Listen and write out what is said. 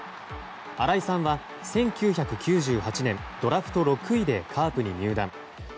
新井さんは１９９８年ドラフト６位でカープに入団。